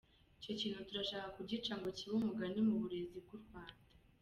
Icyo kintu turashaka kugica ngo kibe umugani mu burezi bw’u Rwanda.